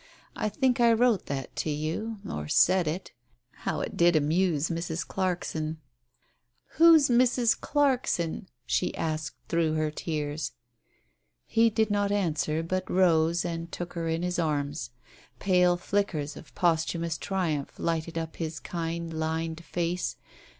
I think I wrote that to you — or said it !... How it did amuse Mrs. Clarkson !" "Who's Mrs. Clarkson?" she asked through her tears. He did not answer, but rose, and took her in his arms. Pale flickers of posthumous triumph lighted up his kind, lined face.